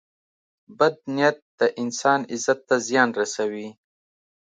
• بد نیت د انسان عزت ته زیان رسوي.